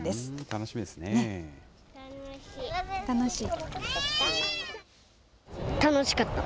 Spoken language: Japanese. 楽しい。